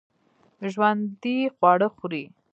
ژوندي خواړه خوري